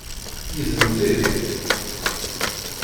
Yezenz-it?